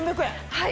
はい。